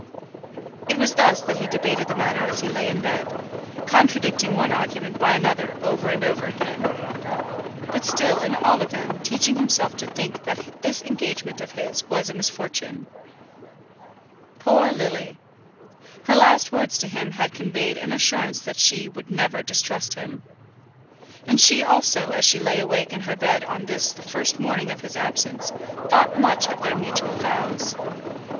It was thus that he debated the matter as he lay in bed, contradicting one argument by another over and over again; but still in all of them teaching himself to think that this engagement of his was a misfortune. Poor Lily! Her last words to him had conveyed an assurance that she would never distrust him. And she also, as she lay wakeful in her bed on this the first morning of his absence, thought much of their mutual vows.